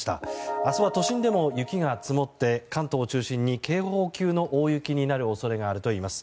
明日は都心でも雪が積もって、関東を中心に警報級の大雪になる恐れがあるといいます。